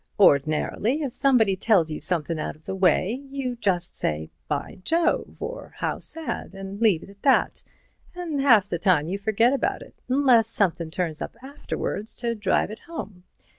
Or'nar'ly, if somebody tells you somethin' out of the way, you just say, 'By Jove!' or 'How sad!' an' leave it at that, an' half the time you forget about it, 'nless somethin' turns up afterwards to drive it home.